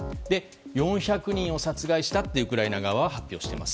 ４００人を殺害したとウクライナ側は発表しています。